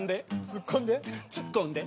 ツッコんで！」